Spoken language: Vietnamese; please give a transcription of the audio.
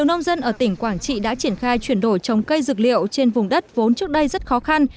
nhiều nông dân ở tỉnh quảng trị đã triển khai chuyển đổi trồng cây dược liệu trên vùng đất vốn trước đây rất khó khăn